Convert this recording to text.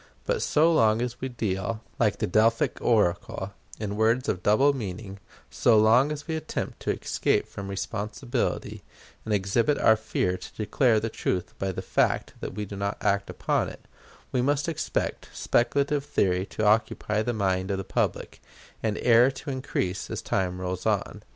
But so long as we deal, like the Delphic oracle, in words of double meaning, so long as we attempt to escape from responsibility, and exhibit our fear to declare the truth by the fact that we do not act upon it, we must expect speculative theory to occupy the mind of the public, and error to increase as time rolls on.